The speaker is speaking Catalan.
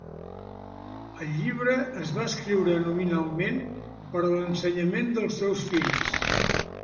El llibre es va escriure nominalment per a l'ensenyament dels seus fills.